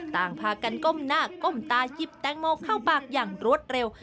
ต่างพากันก้มหน้าก้มตายิบแตงโมเข้าปากอย่างรวดเร็ว